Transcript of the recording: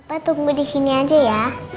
papa tunggu disini aja ya